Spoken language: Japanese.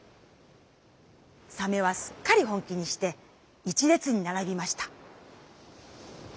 サメはすっかり本気にして一れつにならびました」。